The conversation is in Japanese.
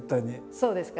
そうですか？